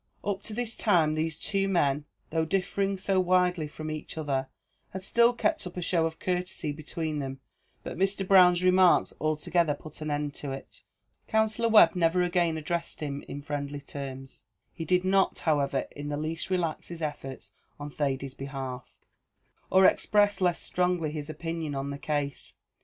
Up to this time these two men, though differing so widely from each other, had still kept up a show of courtesy between them; but Mr. Brown's remarks altogether put an end to it. Counsellor Webb never again addressed him in friendly terms. He did not, however, in the least relax his efforts on Thady's behalf, or express less strongly his opinion on the case.